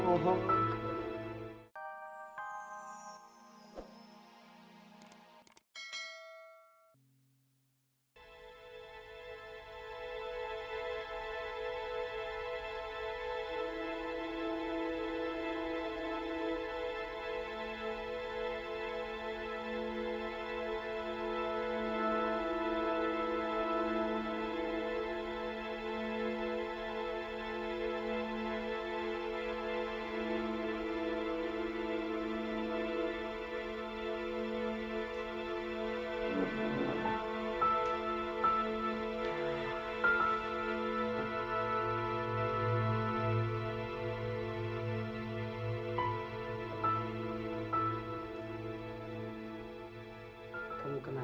buat kamu bro